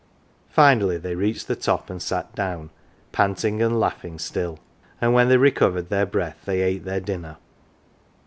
Finally they reached the top and sat down, panting and laughing still ; and when they recovered their breath they ate their dinner.